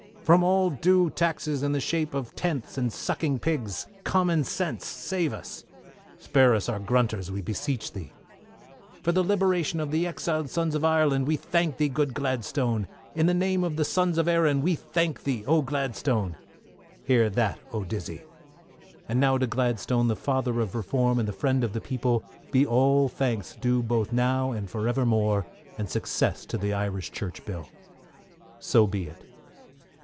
From all undue taxes in the shape of tenths and sucking pigs. Common sense, save us. Spare us our grunters, we beseech thee. For the liberation of the exiled sons of Ireland, we thank thee, good Gladstone! In the name of the sons of Erin, we thank thee, oh, Gladstone. Hear that, oh, Dizzey. And now to Gladstone, the father of Reform, and the friend of the people, be all thanks due both now and for evermore, and success to the Irish Church Bill. So be it.